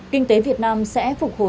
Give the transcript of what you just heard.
kinh tế việt nam sẽ phục vụ đất nước